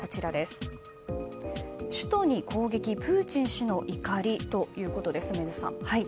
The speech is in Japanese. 首都に攻撃プーチン氏の怒りということですが、梅津さん。